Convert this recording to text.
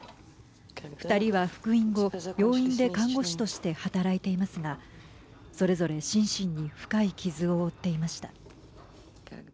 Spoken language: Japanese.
２人は復員後病院で看護師として働いていますがそれぞれ心身に深い傷を負っていました。